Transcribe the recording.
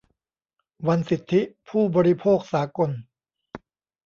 วันสิทธิผู้บริโภคสากล